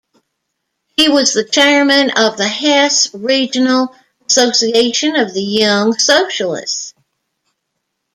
He was the chairman of the Hesse regional association of the Young-Socialists.